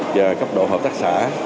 và cấp độ hợp tác xã